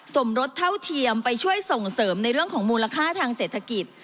สมรสเท่าเทียมไปช่วยส่งเสริมในเรื่องของมูลค่าทางเศรษฐกิจ